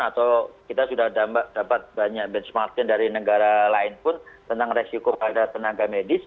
atau kita sudah dapat banyak benchmarking dari negara lain pun tentang resiko pada tenaga medis